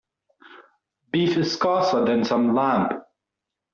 Beef is scarcer than some lamb.